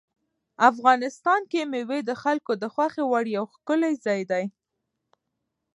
افغانستان کې مېوې د خلکو د خوښې وړ یو ښکلی ځای دی.